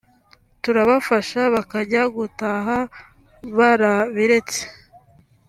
turabafasha bakajya gutaha barabiretse